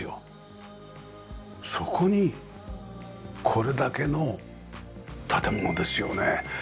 そこにこれだけの建物ですよね。